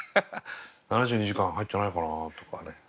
「７２時間」入ってないかなとかね。